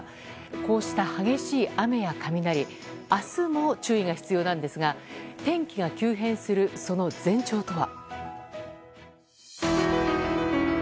こうした激しい雨や雷明日も注意が必要なんですが天気が急変するその前兆とは？